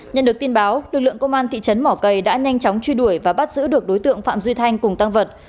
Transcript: nhận được tin báo lực lượng công an thị trấn mỏ cầy đã nhanh chóng truy đuổi và bắt giữ được đối tượng phạm duy thanh cùng tăng vật